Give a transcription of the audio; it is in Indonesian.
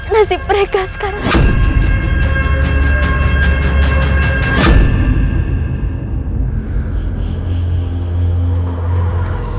nasib mereka sekarang